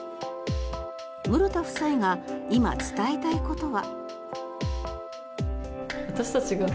ムロタ夫妻が今、伝えたいことは。